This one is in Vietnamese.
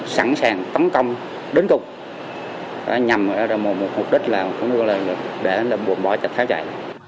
sẵn sàng tấn công đến cùng nhằm một mục đích để buồn bỏ trạch tháo chạy